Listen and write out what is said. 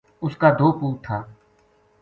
اُس کا دو پوت تھا